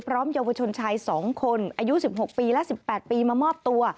เยาวชนชาย๒คนอายุ๑๖ปีและ๑๘ปีมามอบตัว